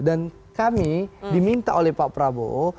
dan kami diminta oleh pak prabowo